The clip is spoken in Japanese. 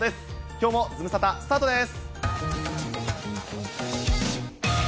きょうもズムサタ、スタートです。